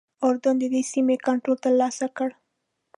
اردن ددې سیمې کنټرول ترلاسه کړ.